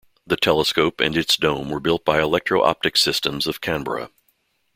The telescope and its dome were built by Electro Optics Systems of Canberra.